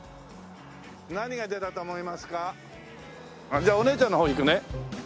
じゃあお姉ちゃんの方いくね。